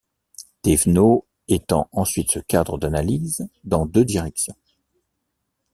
Thévenot étend ensuite ce cadre d'analyse dans deux directions.